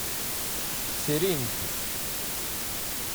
Srin-t.